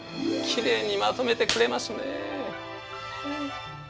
きれいにまとめてくれますね。